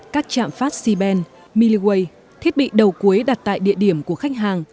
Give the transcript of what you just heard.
các trạm phát c band millway thiết bị đầu cuối đặt tại địa điểm của khách hàng